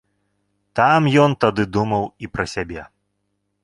Там ён тады думаў і пра сябе.